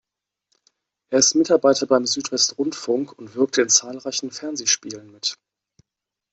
Er ist Mitarbeiter beim Südwestrundfunk und wirkte in zahlreichen Fernsehspielen mit.